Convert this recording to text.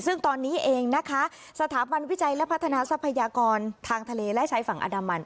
ซึ่งตอนนี้เองนะคะสถาบันวิจัยและพัฒนาทรัพยากรทางทะเลและชายฝั่งอันดามัน